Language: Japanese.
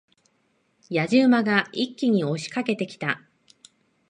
野次馬が一気に押し掛けてきた。